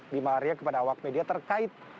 lima hari yang kepada awak media terkait